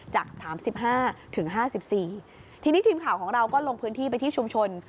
จากสามสิบห้าถึงห้าสิบสี่ทีนี้ทีมข่าวของเราก็ลงพื้นที่ไปที่ชุมชน